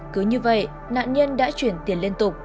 cứ như vậy nạn nhân đã chuyển tiền liên tục